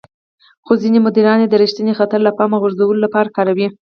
خو ځينې مديران يې د رېښتيني خطر له پامه غورځولو لپاره کاروي.